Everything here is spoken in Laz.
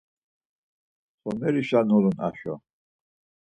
Somerişa nulun aşo?